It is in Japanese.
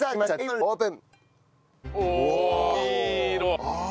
オープン！